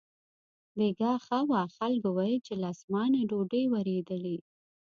بېګاه ښه و، خلکو ویل چې له اسمانه ډوډۍ ورېدلې.